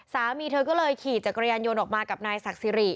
สามีเธอก็เลยขี่จักรยานยนต์ออกมากับนายศักดิ์สิริ